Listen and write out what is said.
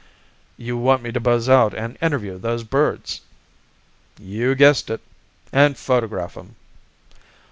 "You want me to buzz out and interview those birds?" "You guessed it. And photograph 'em!"